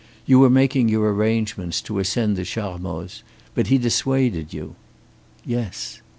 You were making your arrangements to ascend the Charmoz. But he dissuaded you." "Yes."